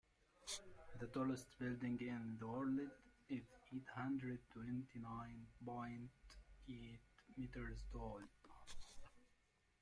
The tallest building in the world is eight hundred twenty nine point eight meters tall.